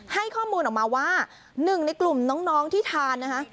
ให้ข้อมูลออกมาว่าหนึ่งในกลุ่มน้องที่ทานนะคะ